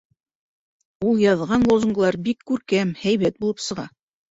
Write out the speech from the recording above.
Ул яҙған лозунгылар бик күркәм, һәйбәт булып сыға.